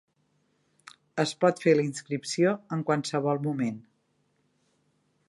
Es pot fer la inscripció en qualsevol moment.